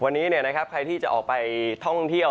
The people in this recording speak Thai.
วันนี้ใครที่จะออกไปท่องเที่ยว